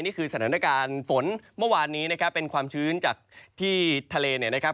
นี่คือสถานการณ์ฝนเมื่อวานนี้นะครับเป็นความชื้นจากที่ทะเลเนี่ยนะครับ